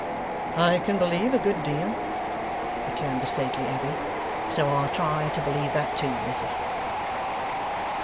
'I can believe a good deal,' returned the stately Abbey, 'so I'll try to believe that too, Lizzie.